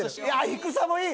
低さもいい！